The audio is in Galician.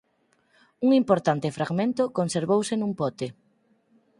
Un importante fragmento conservouse nun pote.